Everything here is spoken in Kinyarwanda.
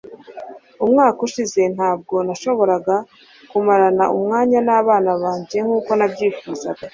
umwaka ushize, ntabwo nashoboraga kumarana umwanya nabana banjye nkuko nabyifuzaga